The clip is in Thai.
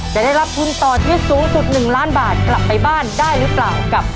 จะได้รับทุนต่อชีวิตสูงสุด๑ล้านบาทกลับไปบ้านได้หรือเปล่ากับ